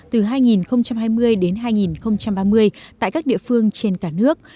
từ hai nghìn hai mươi đến hai nghìn ba mươi tại các địa phương trên cả nước